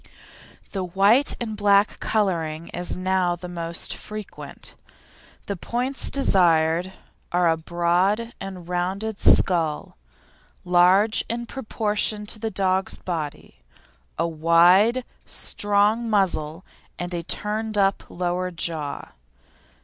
The white and black colouring is now the most frequent. The points desired are a broad and rounded skull, large in proportion to the dog's body; a wide, strong muzzle and a turned up lower jaw.